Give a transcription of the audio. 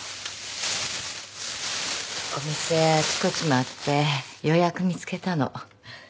お店あちこち回ってようやく見つけたの。